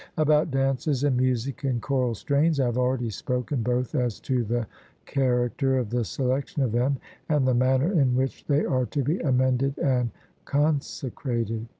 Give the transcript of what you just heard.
About dances and music and choral strains, I have already spoken both as to the character of the selection of them, and the manner in which they are to be amended and consecrated.